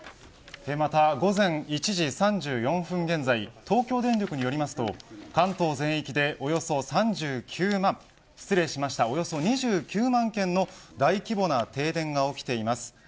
午前１時３４分現在東京電力によりますと関東全域でおよそ２９万軒の大規模な停電が起きています。